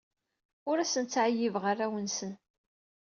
Ur asen-ttɛeyyibeɣ arraw-nsen.